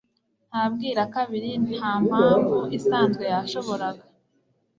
Nta bwirakabiri, nta mpamvm isanzwe yashoboraga